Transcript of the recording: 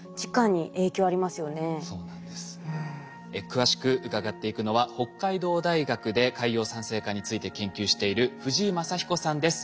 詳しく伺っていくのは北海道大学で海洋酸性化について研究している藤井賢彦さんです